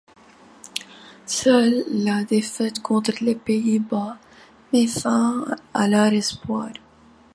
Seule la défaite contre les Pays-Bas met fin à leurs espoirs.